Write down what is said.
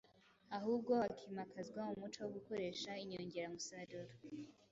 ahubwo hakimakazwa umuco wo gukoresha inyongeramusaruro.